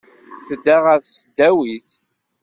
Tedda ɣer tesdawit.